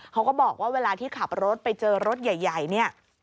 เขาก็บอกว่าเวลาที่ขับรถไปเจอรถใหญ่เนี่ย